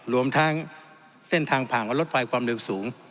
รวมทั้งเส้นทางผ่านและรถไฟความเร็วสูง